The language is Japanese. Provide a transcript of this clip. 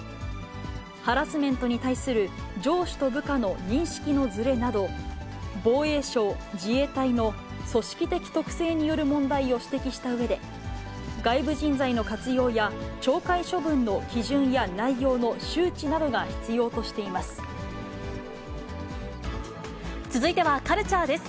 ハラスメントに対する上司と部下の認識のズレなど、防衛省・自衛隊の組織的特性による問題を指摘したうえで、外部人材の活用や、懲戒処分の基準や内容の周知などが必要として続いてはカルチャーです。